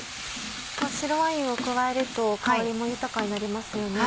白ワインを加えると香りも豊かになりますよね。